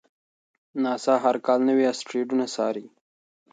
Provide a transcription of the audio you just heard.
ناسا هر کال نوي اسټروېډونه څاري.